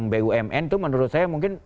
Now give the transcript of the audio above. bumn itu menurut saya mungkin